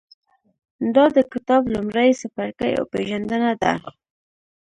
دا د کتاب لومړی څپرکی او پېژندنه ده.